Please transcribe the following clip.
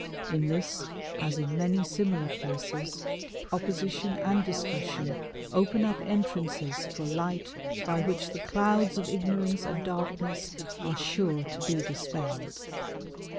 In this, as in many similar cases, opposition and discussion open up entrances for light by which the clouds of ignorance and darkness are sure to be dispelled.